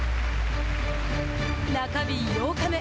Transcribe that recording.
中日８日目。